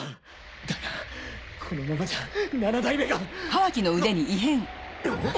だがこのままじゃ七代目がなっ！？